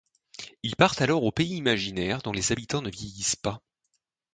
Ils partent alors au Pays Imaginaire dont les habitants ne vieillissent pas.